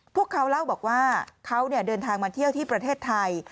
พวกเขาเล่าบอกว่าเขาเดินทางมาเที่ยวที่ประเทศไทย